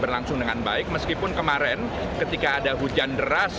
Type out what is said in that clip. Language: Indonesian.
berlangsung dengan baik meskipun kemarin ketika ada hujan deras